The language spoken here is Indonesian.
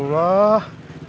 aduh jangan pake nyapu